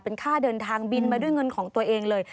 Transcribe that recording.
เป็นค่าเดินทางบินมาด้วยเงินของตัวเองเลย